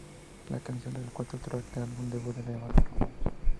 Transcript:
La canción es el cuatro track del álbum debut de la banda, "Ramones".